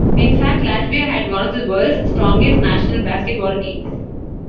In fact, Latvia had one of the world's strongest national basketball teams.